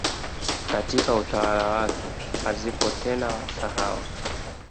katika utawala wake hazipo tena Wasahau